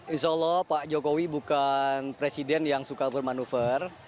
insya allah pak jokowi bukan presiden yang suka bermanuver